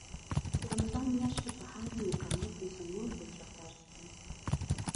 د رمضان میاشت کې په هر مکلف مسلمان روژه فرض ده